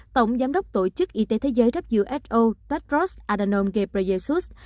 tổng giám đốc tổ chức y tế thế giới who tedros adernom ghebreyesus